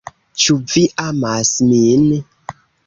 "Ĉu vi amas min?"